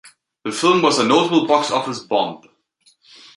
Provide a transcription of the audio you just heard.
The film was a notable box-office bomb.